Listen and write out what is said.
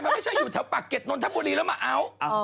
มันไม่ใช่อยู่แถวปากเก็ตนนทบุรีแล้วมาเอา